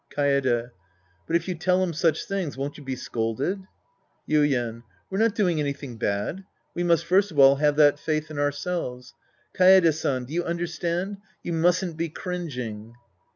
Kafde. But if you tell him such things, won't you be scolded ? Yuien. We're not doing anything bad. We must first of all have that faith in ourselves. Kaede San. Do you understand ? You mustn't be cringing.